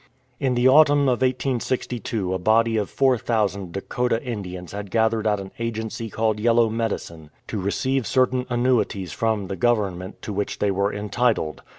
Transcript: In the autumn of 1862 a body of 4000 Dakota Indians had gathered at an agency called Yellow Medicine to receive certain annuities from the Government to which they were entitled.